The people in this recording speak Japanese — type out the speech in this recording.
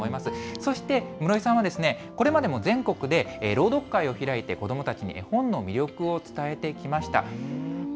そして室井さんは、これまでも全国で朗読会を開いて、子どもたちに絵本の魅力を伝えてきました。